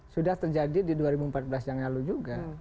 sudah terjadi di dua ribu empat belas yang lalu juga